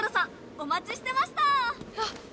お待ちしてました！